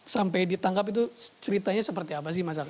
sampai ditangkap itu ceritanya seperti apa sih mas ak